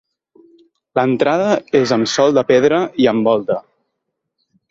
L'entrada és amb sòl de pedra i amb volta.